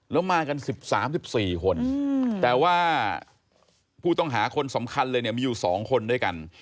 แล้วมากัน๑๓๑๔คนแต่ว่าผู้ต้องหาคนสำคัญเลยเนี่ยมีอยู่๒คนด้วยกัน